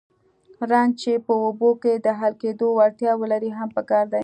رنګ چې په اوبو کې د حل کېدو وړتیا ولري هم پکار دی.